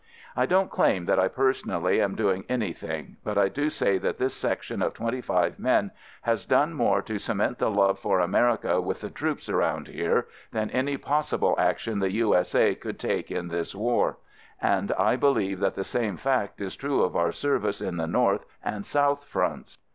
I don't claim that I personally am doing anything, but I do say that this Section of twenty five men has done more to cement the love for America with the troops around here than any possible action the U.S.A. could take in this war, and I believe that the same fact is true of our Service in the north and south fronts.